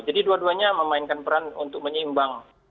jadi dua duanya memainkan peran untuk menyeimbang